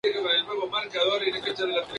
El apellido cuenta con un escudo de armas.